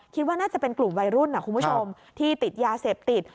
คิดว่าน่าจะเป็นกลุ่มวัยรุ่นที่ติดยาเสพติด